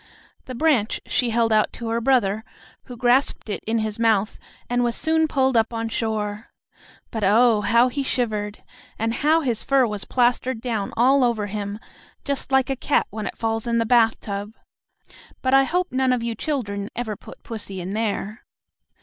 The branch she held out to her brother, who grasped it in his mouth and was soon pulled up on shore. But, oh, how he shivered! And how his fur was plastered down all over him, just like a cat when it falls in the bathtub. But I hope none of you children ever put pussy in there.